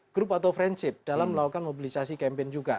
grup atau friendship dalam melakukan mobilisasi campaign juga